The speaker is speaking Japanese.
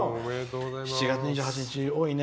７月２８日、多いね。